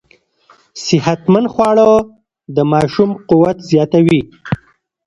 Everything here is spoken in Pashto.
صحتمند خواړه د ماشوم قوت زیاتوي.